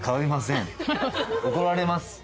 怒られます。